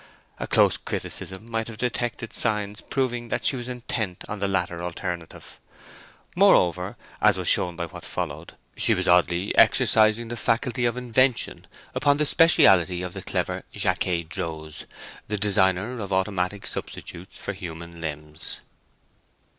A close criticism might have detected signs proving that she was intent on the latter alternative. Moreover, as was shown by what followed, she was oddly exercising the faculty of invention upon the speciality of the clever Jacquet Droz, the designer of automatic substitutes for human limbs.